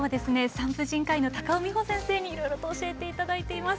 産婦人科医の高尾美穂先生にいろいろと教えていただいています。